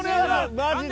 マジで。